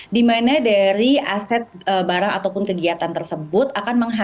di mana dari aset barang ataupun kegiatan tersebut